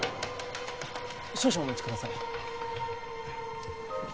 少々お待ちください